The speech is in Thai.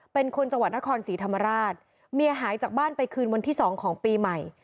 เป็นคนจังหวัดนครศรีธรรมราชเมียหายจากบ้านไปคืนวันที่๒ของปีใหม่